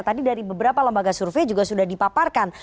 tadi dari beberapa lembaga survei juga sudah dipaparkan